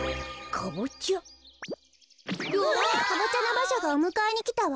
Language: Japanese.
カボチャのばしゃがおむかえにきたわ。